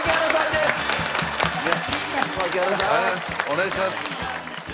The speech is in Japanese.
お願いします。